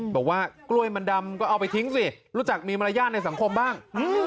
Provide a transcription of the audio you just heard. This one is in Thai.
บอกว่ากล้วยมันดำก็เอาไปทิ้งสิรู้จักมีมารยาทในสังคมบ้าง